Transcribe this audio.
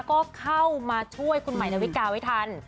ก็เข้ามาช่วยคุณหมายในวิการ์ไว้ทัน